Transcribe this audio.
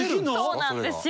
そうなんですよ。